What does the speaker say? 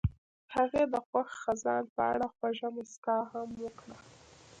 هغې د خوښ خزان په اړه خوږه موسکا هم وکړه.